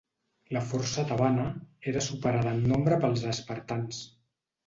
La força tebana era superada en nombre pels espartans.